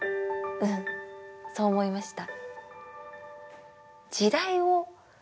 うん、そう思いました。